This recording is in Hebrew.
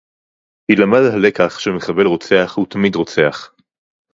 יילמד הלקח שמחבל רוצח הוא תמיד רוצח